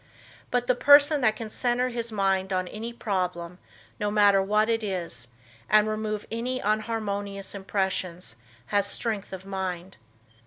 But the person that can center his mind on any problem, no matter what it is, and remove any unharmonious impressions has strength of mind.